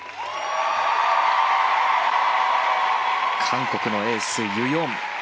韓国のエースユ・ヨン。